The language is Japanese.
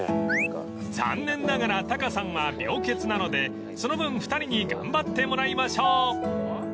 ［残念ながらタカさんは病欠なのでその分２人に頑張ってもらいましょう］